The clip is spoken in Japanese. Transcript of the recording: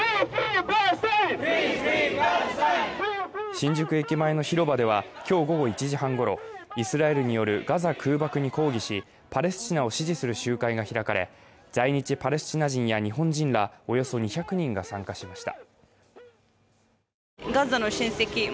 新宿駅前の広場では今日午後１時半ごろ、イスラエルによるガザ空爆に抗議し、パレスチナを支持する集会が開かれ、在日パレスチナ人や日本人やおよそ２００人が参加しました。